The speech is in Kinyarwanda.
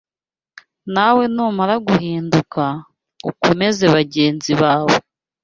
Nawe numara guhinduka, ukomeze bagenzi bawe.